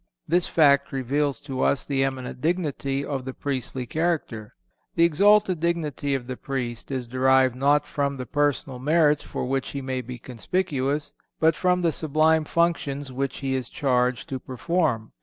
This fact reveals to us the eminent dignity of the priestly character. The exalted dignity of the Priest is derived not from the personal merits for which he may be conspicuous, but from the sublime functions which he is charged to perform.